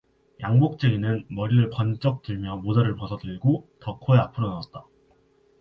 양복쟁이는 머리를 번쩍 들며 모자를 벗어 들고 덕호의 앞으로 나왔다.